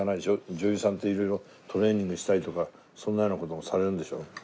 女優さんって色々トレーニングしたりとかそんなような事もされるんでしょ？